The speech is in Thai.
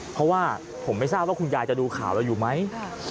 ผมไม่ทราบว่าคุณญาจะดูข่าวเราอยู่ไหม